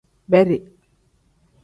Bedi.